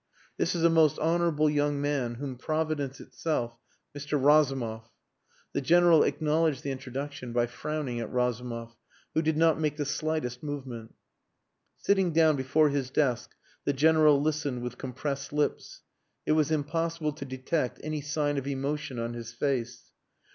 "This is a most honourable young man whom Providence itself... Mr. Razumov." The General acknowledged the introduction by frowning at Razumov, who did not make the slightest movement. Sitting down before his desk the General listened with compressed lips. It was impossible to detect any sign of emotion on his face.